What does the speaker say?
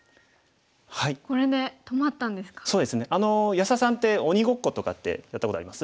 安田さんって鬼ごっことかってやったことあります？